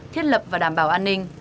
thiết lập và đảm bảo an ninh